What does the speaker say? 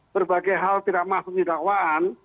berbagai hal tidak masuk di dakwaan